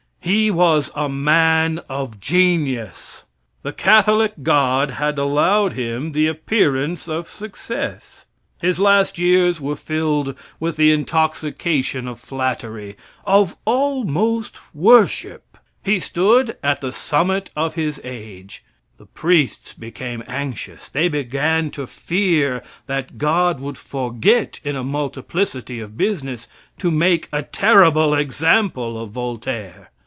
He was a man of genius. The Catholic God had allowed him the appearance of success. His last years were filled with the intoxication of flattery of almost worship. He stood at the summit of his age. The priests became anxious. They began to fear that God would forget, in a multiplicity of business, to make a terrible example of Voltaire.